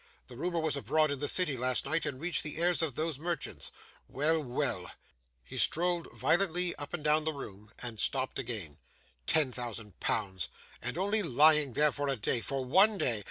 The rumour was abroad in the city last night, and reached the ears of those merchants. Well, well!' He strode violently up and down the room and stopped again. 'Ten thousand pounds! And only lying there for a day for one day!